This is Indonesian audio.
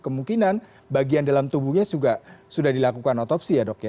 kemungkinan bagian dalam tubuhnya juga sudah dilakukan otopsi ya dok ya